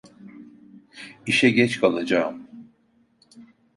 İşe geç kalacağım.